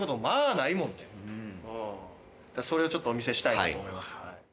それをちょっとお見せしたいなと思います。